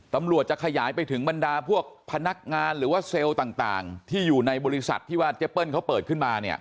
ตำรวจจะขยายไปถึงบรรดาพวกพนักงานหรือว่าเซลล์ต่างที่อยู่ในบริษัทที่ว่าเจเปิ้ลเขาเปิดขึ้นมาเนี่ย